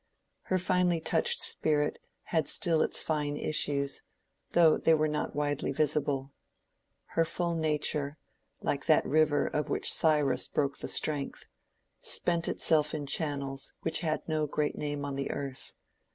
Her finely touched spirit had still its fine issues, though they were not widely visible. Her full nature, like that river of which Cyrus broke the strength, spent itself in channels which had no great name on the earth.